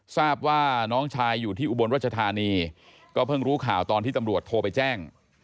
ทราบว่าน้องชายอยู่ที่อุบลรัชธานีก็เพิ่งรู้ข่าวตอนที่ตำรวจโทรไปแจ้ง